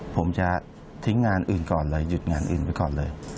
ผมจะทิ้งงานอื่นก่อนเลยหยุดงานอื่นไว้ก่อนเลย